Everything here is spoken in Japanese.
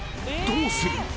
どうする？］